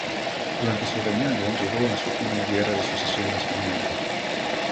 Durante su reinado, llegó a su fin la Guerra de Sucesión española.